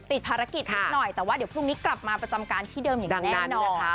ติดภารกิจนิดหน่อยแต่ว่าเดี๋ยวพรุ่งนี้กลับมาประจำการที่เดิมอย่างแน่นอนค่ะ